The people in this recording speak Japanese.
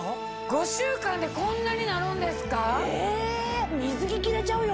５週間でこんなになるんですか！